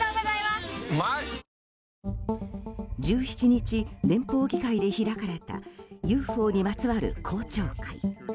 １７日、連邦議会で開かれたＵＦＯにまつわる公聴会。